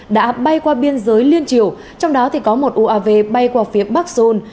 đã bay qua biên giới liên triều trong đó thì có một uav bay qua phía bắc sôn